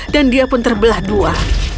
dan dia pun terbelah dua